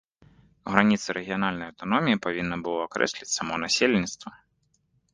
Граніцы рэгіянальнай аўтаноміі павінна было акрэсліць само насельніцтва.